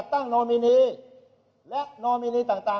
เดี๋ยวเลย๙๖๕ล้าน